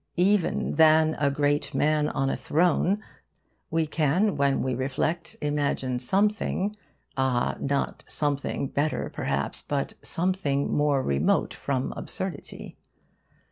Even than a great man on a throne we can, when we reflect, imagine something ah, not something better perhaps, but something more remote from absurdity.